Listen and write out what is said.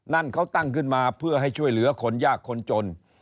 นั่นเขาตั้งขึ้นมาเพื่อให้ช่วยเหลือคนยากคนจน